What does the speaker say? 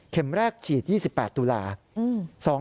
เข็มแรกฉีด๒๘ตุลาคม